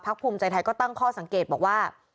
ภูมิใจไทยก็ตั้งข้อสังเกตบอกว่า